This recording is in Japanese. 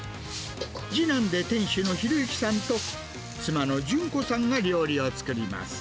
次男で店主のひろゆきさんと、妻の順子さんが料理を作ります。